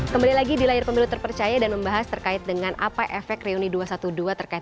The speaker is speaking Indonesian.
kembali lagi di layar pemilu terpercaya dan membahas terkait dengan apa efek reuni dua ratus dua belas terkait